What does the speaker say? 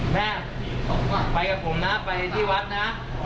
แม่ไปกับผมนะไปที่วัดนะ